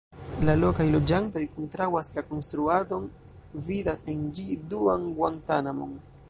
La lokaj loĝantoj kontraŭas la konstruadon, vidas en ĝi duan Guantanamo-n.